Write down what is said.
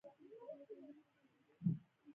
د جنګي ټیکدارانو جیبونو ته تللې ده.